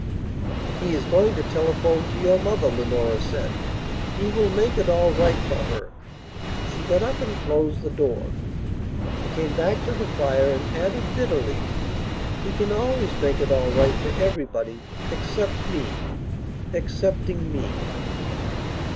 "He is going to telephone to your mother," Leonora said. "He will make it all right for her." She got up and closed the door. She came back to the fire, and added bitterly: "He can always make it all right for everybody, except meexcepting me!"